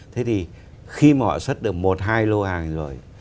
thế thì khi mà họ xuất được một hai lô hàng rồi